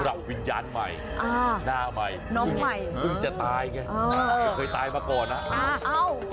กำลังวิญญาณใหม่หน้าใหม่น้อมใหม่เพิ่งจะตายแค่เคยตายมาก่อนแหลก